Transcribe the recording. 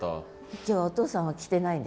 今日はお父さんは来てないんですね？